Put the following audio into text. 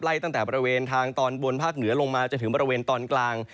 ตั้งแต่บริเวณทางตอนบนภาคเหนือลงมาจนถึงบริเวณตอนกลาง